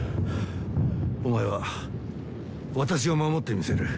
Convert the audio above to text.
お前は私が守ってみせる。